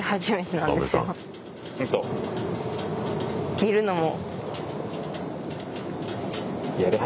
見るのも。